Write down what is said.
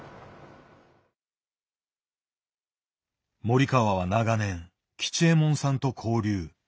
森川は長年吉右衛門さんと交流。